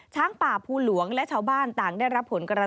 ช้างป่าภูหลวงและชาวบ้านต่างได้รับผลกระทบ